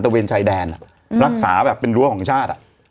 เวนชายแดนรักษาแบบเป็นรั้วของชาติ